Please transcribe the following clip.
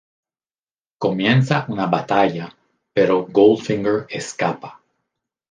Comienza una batalla, pero Goldfinger escapa.